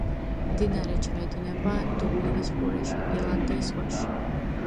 მდინარე ჩაედინება დუბლინის ყურეში, ირლანდიის ზღვაში.